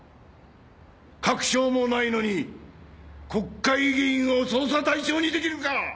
確証もないのに国会議員を捜査対象にできるか！